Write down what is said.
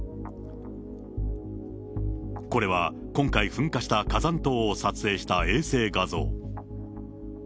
これは今回、噴火した火山島を撮影した衛星画像。